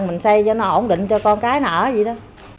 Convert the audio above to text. mình xây cho nó ổn định cho con cái nở vậy đó